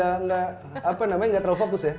facebook juga cuman nggak terlalu fokus ya